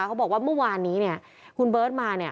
เขาบอกว่าเมื่อวานนี้คุณเบิร์ตมา